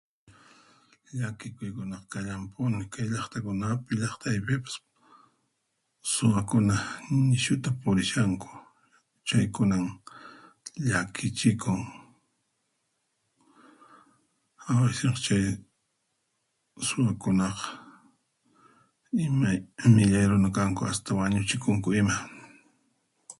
Llakikuykunaqa kallanpuni kay llaqtakunapi llaqtaypipas, suwakuna nishuta purishanku chaykunan llakichikun awiceq chay runakunaqa imay millay runa kanku hasta wañuchikunku ima.